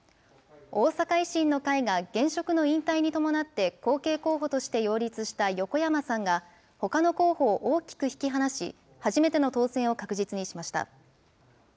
大阪維新の会が、現職の引退に伴って後継候補として擁立した横山さんが、ほかの候補を大きく引き離し、初めての当選を確実にしました。